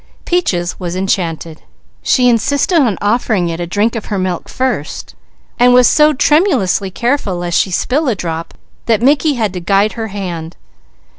Peaches was enchanted. She insisted on offering it a drink of her milk first, and was so tremulously careful lest she spill a drop that Mickey had to guide her hand.